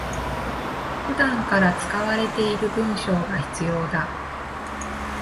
普段から使われている文章が必要だ